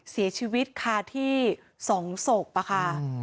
เสียชีวิตค่ะที่๒ศกป่ะค่ะ